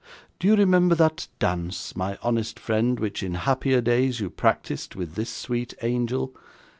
Do you remember that dance, my honest friend, which, in happier days, you practised with this sweet angel?